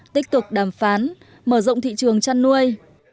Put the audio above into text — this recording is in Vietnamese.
tiếp tục đàm phán mở rộng thị trường chăn nuôi